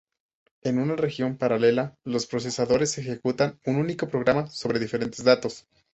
En una región paralela, los procesadores ejecutan un único programa sobre diferentes datos.